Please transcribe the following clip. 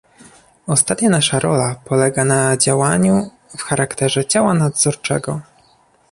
Ostatnia nasza rola polega na działaniu w charakterze ciała nadzorczego